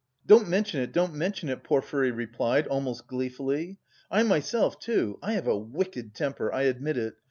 "Don't mention it, don't mention it," Porfiry replied, almost gleefully. "I myself, too... I have a wicked temper, I admit it!